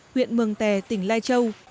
huyện mường tè tỉnh lai châu